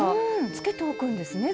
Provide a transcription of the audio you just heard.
つけておくんですね